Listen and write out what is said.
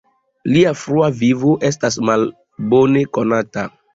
Lia frua vivo estas malbone konata.